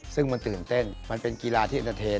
ซึ่งมันตื่นเต้นมันเป็นกีฬาที่เอ็นเตอร์เทน